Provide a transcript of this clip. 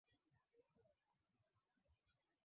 angalia vitu vya msingi ambavyo tutavijadili kwa kina